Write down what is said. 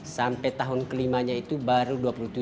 sampai tahun kelimanya itu baru dua puluh tujuh